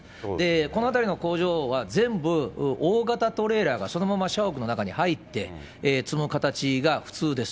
この辺りの工場は全部、大型トレーラーがそのまま社屋の中に入って、詰む形が普通です。